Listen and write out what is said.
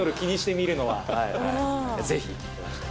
ぜひ。